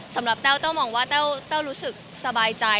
สำหรับเต้าเต้ามองว่าเต้ารู้สึกสบายใจ